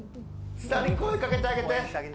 津田に声かけてあげて。